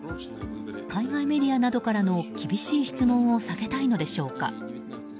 海外メディアなどからの厳しい質問を避けたいのでしょうか。